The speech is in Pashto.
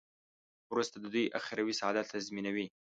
ورسره د دوی اخروي سعادت تضمینوي.